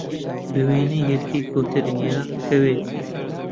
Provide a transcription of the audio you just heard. بە وێنەی هێلکەی کۆتر، یا کەوێ